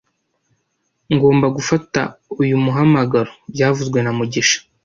Ngomba gufata uyu muhamagaro byavuzwe na mugisha